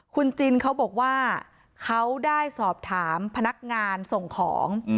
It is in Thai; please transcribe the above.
คุณจินเขาบอกว่าเขาได้สอบถามพนักงานส่งของ